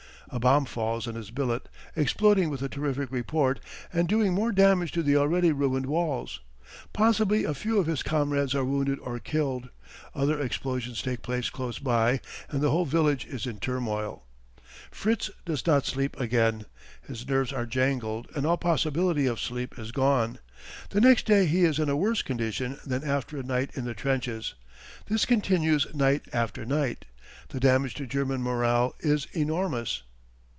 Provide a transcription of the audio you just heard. A bomb falls in his billet, exploding with a terrific report and doing more damage to the already ruined walls. Possibly a few of his comrades are wounded or killed. Other explosions take place close by and the whole village is in turmoil. Fritz does not sleep again. His nerves are jangled and all possibility of sleep is gone. The next day he is in a worse condition than after a night in the trenches. This continues night after night. The damage to German morale is enormous.